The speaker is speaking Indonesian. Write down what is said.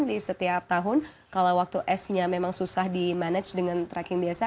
di setiap tahun kalau waktu esnya memang susah di manage dengan trekking biasa